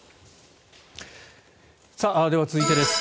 では、続いてです。